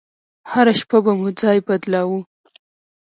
هره شپه به مو ځاى بدلاوه.